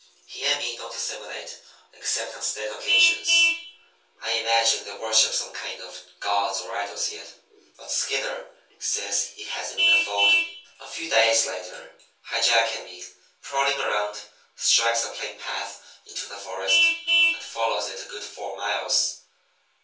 He and me don't assimilate except on state occasions. I imagine they worship some kind of gods or idols yet. But Skidder says he has 'em in the fold.' "A few days later High Jack and me, prowling around, strikes a plain path into the forest, and follows it a good four miles.